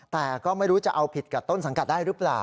แต่ก็ไม่รู้จะเอาผิดกับต้นสังกัดได้หรือเปล่า